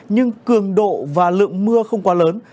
nhưng cường độ và lượng mưa không quá lớn